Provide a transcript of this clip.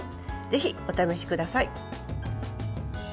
ぜひお試しください。